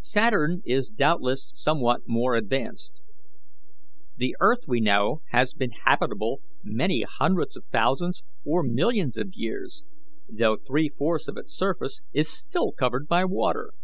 Saturn is doubtless somewhat more advanced. The earth we know has been habitable many hundreds of thousands or millions of years, though three fourths of its surface is still covered by water.